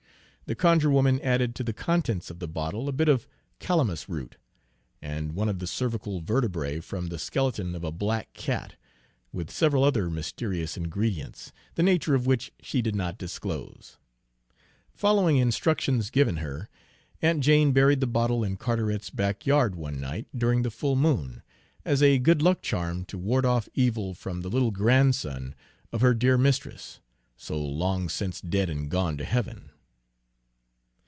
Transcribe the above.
The conjure woman added to the contents of the bottle a bit of calamus root, and one of the cervical vertebrae from the skeleton of a black cat, with several other mysterious ingredients, the nature of which she did not disclose. Following instructions given her, Aunt Jane buried the bottle in Carteret's back yard, one night during the full moon, as a good luck charm to ward off evil from the little grandson of her dear mistress, so long since dead and gone to heaven.